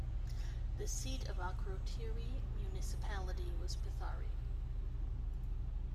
The seat of Akrotiri municipality was Pythari.